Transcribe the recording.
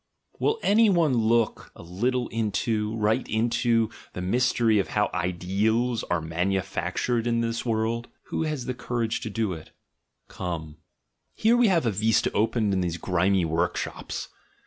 Will any one look a little into — right into — the mystery 3 o THE GENEALOGY OF MORALS of how ideals are ma?iujactured in this world? Who has the courage to do it? Come! Here we have a vista opened into these grimy work shops.